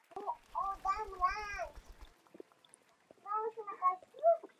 • Ayyorga omad bir marta keladi, epchilga ― ikki marta.